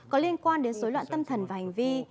có liên quan đến dối loạn tâm thần và hành vi